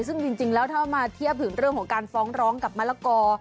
ซึ่งจริงแล้วถ้ามาเทียบถึงเรื่องของการฟ้องร้องกับมะละกอ